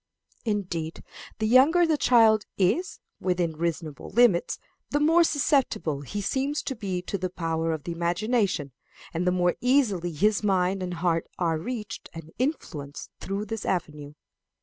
Indeed, the younger the child is, within reasonable limits, the more susceptible he seems to be to the power of the imagination, and the more easily his mind and heart are reached and influenced through this avenue.